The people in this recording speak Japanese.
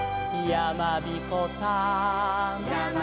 「やまびこさん」